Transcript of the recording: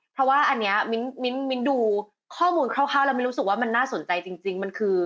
เพราะว่าอันนี้มิ้นดูข้อมูลคร่าวแล้วมิ้นรู้สึกว่ามันน่าสนใจจริงมันคือ